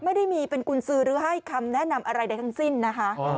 ไม่ได้มีเป็นกุญสือหรือให้คำแนะนำอะไรใดทั้งสิ้นนะคะ